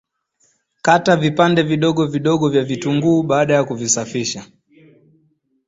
Kata vipande vidogo vidogo vya vitunguu baada ya kuvisafisha